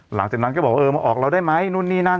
หลังจากนั้นเค้าก็บอกว่าเออมาออกแล้วได้ไหมนู่นนี้นั่น